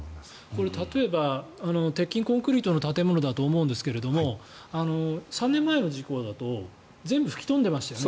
これ、例えば鉄筋コンクリートの建物だと思うんですが３年前の事故だと全部吹き飛んでいましたよね。